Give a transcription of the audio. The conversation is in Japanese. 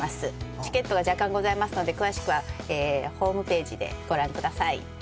チケットが若干ございますので、詳しくはホームページでご覧ください。